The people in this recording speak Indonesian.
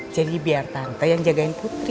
jadi biar tante yang jagain putri